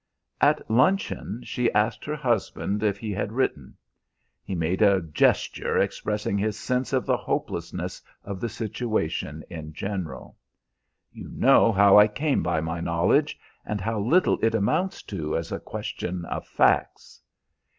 At luncheon she asked her husband if he had written. He made a gesture expressing his sense of the hopelessness of the situation in general. "You know how I came by my knowledge, and how little it amounts to as a question of facts."